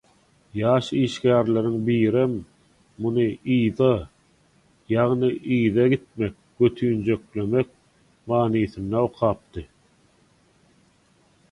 Ýaş işgärleriň birem muny «yza», ýagny yza gitmek, götünjeklemek manysynda okapdy.